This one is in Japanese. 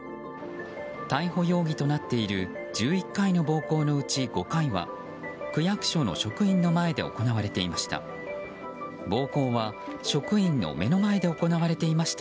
逮捕容疑となっている１１回の暴行のうち５回は区役所の職員の前で行われていました。